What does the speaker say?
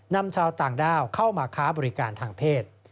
นำชาวต่างด้าวเข้ามาค้าบริการทางเพศ